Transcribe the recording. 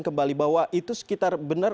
kembali bahwa itu sekitar benar